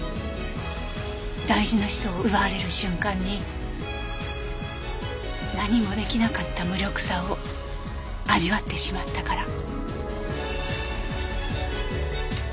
大事な人を奪われる瞬間に何も出来なかった無力さを味わってしまったから。